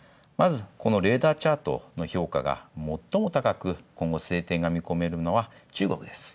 レーダーチャートの評価がもっとも高く、今後、晴天が見込まれるのは中国です。